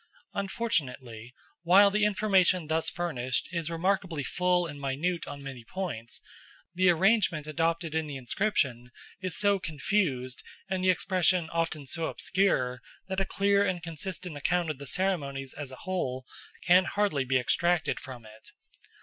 Unfortunately, while the information thus furnished is remarkably full and minute on many points, the arrangement adopted in the inscription is so confused and the expression often so obscure that a clear and consistent account of the ceremonies as a whole can hardly be extracted from it.